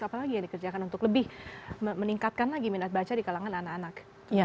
apalagi yang dikerjakan untuk lebih meningkatkan lagi minat baca di kalangan anak anak